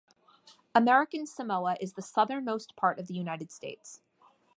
American Samoa is the southernmost part of the United States.